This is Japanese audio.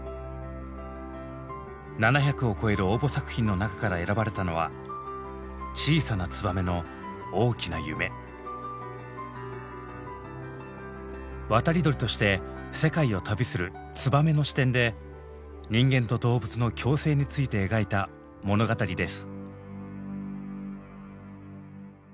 ７００を超える応募作品の中から選ばれたのは渡り鳥として世界を旅するツバメの視点で人間と動物の共生について描いた物語です。